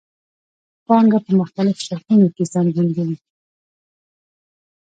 پانګه په مختلفو شکلونو کې څرګندېږي